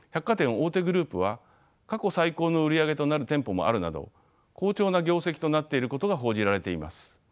大手グループは過去最高の売り上げとなる店舗もあるなど好調な業績となっていることが報じられています。